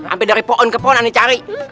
ampe dari pohon ke pohon aneh cari